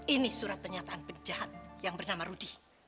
ini surat pernyataan penjahat yang bernama rudy